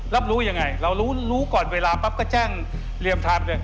รับรู้อย่างไรเรารู้ก่อนเวลาปั๊บก็แจ้งเรียมทราบ